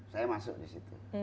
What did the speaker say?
saya masuk di situ